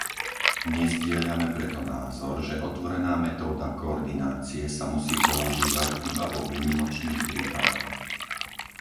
Nezdieľame preto názor, že otvorená metóda koordinácie sa musí používať iba vo výnimočných prípadoch.